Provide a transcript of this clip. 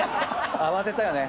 慌てたよね。